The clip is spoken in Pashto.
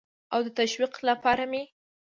او د تشویق لپاره مې